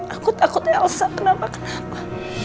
aku takutnya elsa kenapa kenapa